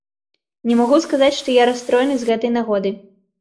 Не магу сказаць, што я расстроены з гэтай нагоды.